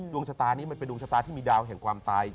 ดวงชะตานี้มันเป็นดวงชะตาที่มีดาวแห่งความตาย